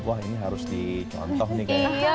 wah ini harus dicontoh nih kayaknya